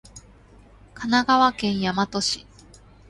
神奈川県大和市